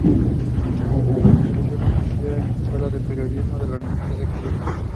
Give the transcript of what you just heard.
Realizó una maestría en la Escuela de Periodismo de la Universidad de Columbia.